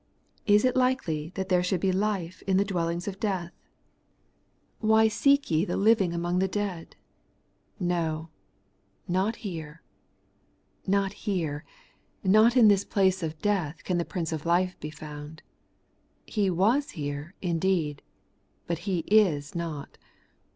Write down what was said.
Is it likely that there should be life in the dwellings of 132 The Everlasting RiglUeousTiess. death ? Why seek ye the living among the dead ? No ; not here, — ^not here ; not in this place of death can the Prince of life be found. He was here, indeed ; but He is not.